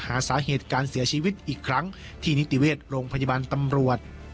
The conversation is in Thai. หาสาเหตุการเสียชีวิตอีกครั้งที่นิติเวชโรงพยาบาลตำรวจ